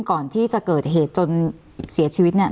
ก่อนที่จะเกิดเหตุจนเสียชีวิตเนี่ย